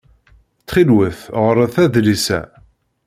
Ttxil-wet ɣṛet adlis-a.